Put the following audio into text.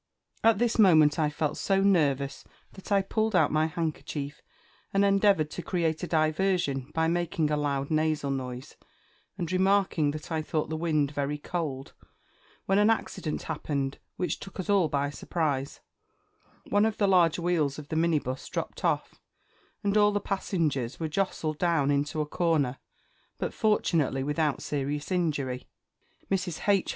At this moment I felt so nervous that I pulled out my handkerchief, and endeavoured to create a diversion by making a loud nasal noise, and remarking that I thought the wind very cold, when an accident happened which took us all by surprise: one of the large wheels of the minibus dropped off, and all the passeigers were jostled down into a corner but, fortunately without serious injury. Mrs. H.